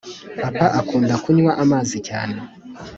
Papa akunda kunywa amazi cyae